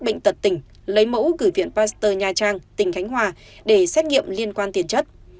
bệnh tật tỉnh lấy mẫu gửi viện pasteur nha trang tỉnh khánh hòa để xét nghiệm liên quan tiền chất